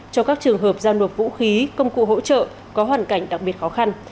cho các trường hợp giao nộp vũ khí công cụ hỗ trợ có hoàn cảnh đặc biệt khó khăn